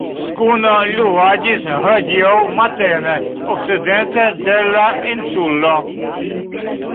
Skuno luvadis hodiaŭ matene okcidente de la Insulo.